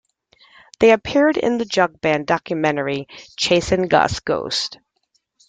They appeared in the jug band documentary "Chasin' Gus' Ghost".